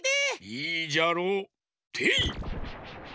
いいじゃろう。てい！